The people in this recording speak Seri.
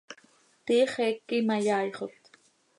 Tiix eec quih imayaaixot.